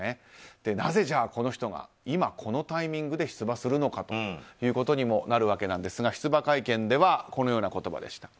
なぜこの人が今このタイミングで出馬するのかということにもなるわけですが出馬会見ではこのような言葉でした。